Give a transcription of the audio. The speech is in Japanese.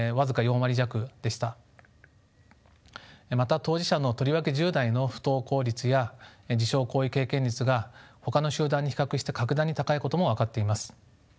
また当事者のとりわけ１０代の不登校率や自傷行為経験率がほかの集団に比較して格段に高いことも分かっています。